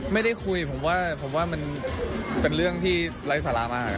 ไม่ได้คุยผมว่าผมว่ามันเป็นเรื่องที่ไร้สาระมาก